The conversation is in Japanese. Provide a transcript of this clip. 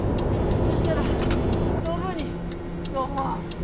そしたらドブにドボン。